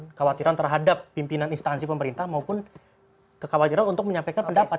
kekhawatiran terhadap pimpinan instansi pemerintah maupun kekhawatiran untuk menyampaikan pendapat